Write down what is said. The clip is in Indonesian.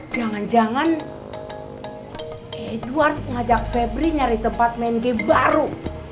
jangan jangan ridwan ngajak febri nyari tempat main game baru